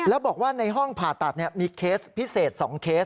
แล้วบอกว่าในห้องผ่าตัดมีเคสพิเศษ๒เคส